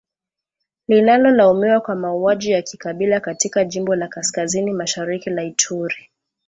linalolaumiwa kwa mauaji ya kikabila katika jimbo la kaskazini mashariki la Ituri